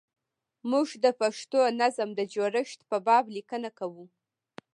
موږ د پښتو نظم د جوړښت په باب لیکنه کوو.